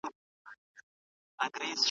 ایا دا لابراتوار د ساینسي څېړنو لپاره سمبال دی؟